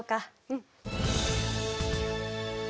うん。